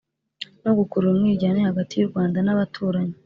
no gukurura umwiryane hagati y'u rwanda n'abaturanyi